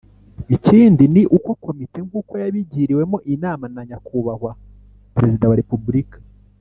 Ikindi ni uko Komite, nk'uko yabigiriwemo inama na Nyakubahwa Perezida wa Repubulika,